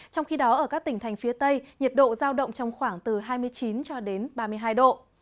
trong khi đó ở các tỉnh thành phía tây nhiệt độ giao động trong khoảng từ hai mươi chín cho đến ba mươi hai độ